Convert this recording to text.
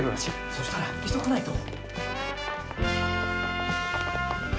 そしたら急がないと！